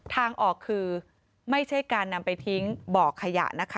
ทางออกคือไม่ใช่การนำไปทิ้งบ่อขยะนะคะ